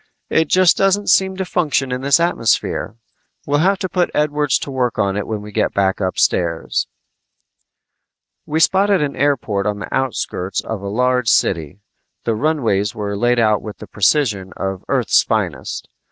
"It just doesn't seem to function in this atmosphere. We'll have to put Edwards to work on it when we go back upstairs." We spotted an airport on the outskirts of a large city. The runways were laid out with the precision of Earth's finest.